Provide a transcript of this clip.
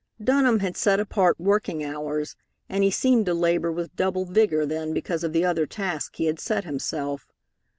Dunham had set apart working hours, and he seemed to labor with double vigor then because of the other task he had set himself.